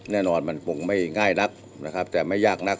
แน่นอนมันโปร่งไม่ง่ายนักแต่ไม่ยากนัก